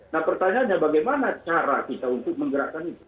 nah pertanyaannya bagaimana cara kita untuk menggerakkan itu